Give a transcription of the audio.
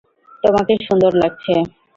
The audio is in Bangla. তোমাকে সুন্দর লাগছে!